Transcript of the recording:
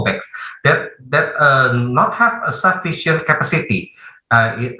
yang tidak memiliki kapasitas yang cukup